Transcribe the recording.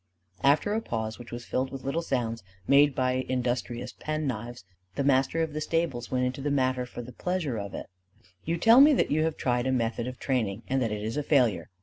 After a pause which was filled with little sounds made by the industrious penknives, the master of the stables went into the matter for the pleasure of it: "You tell me that you have tried a method of training and that it is a failure.